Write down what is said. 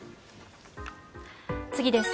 次です。